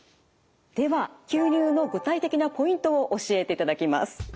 では吸入の具体的なポイントを教えていただきます。